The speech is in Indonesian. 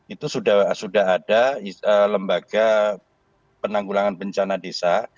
itu sudah ada lembaga penanggulangan bencana desa